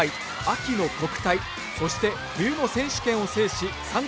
秋の国体そして冬の選手権を制し３冠を達成。